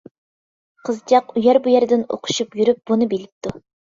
قىزچاق ئۇيەر-بۇ يەردىن ئۇقۇشۇپ يۈرۈپ بۇنى بىلىپتۇ.